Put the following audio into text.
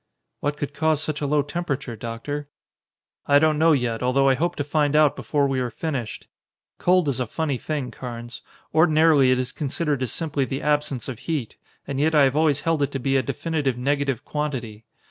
"What could cause such a low temperature, Doctor?" "I don't know yet, although I hope to find out before we are finished. Cold is a funny thing, Carnes. Ordinarily it is considered as simply the absence of heat; and yet I have always held it to be a definite negative quantity.